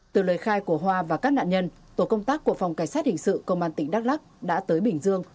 từ lời khai của hoa và các nạn nhân tổ công tác của phòng cảnh sát hình sự công an tỉnh đắk lắc đã tới bình dương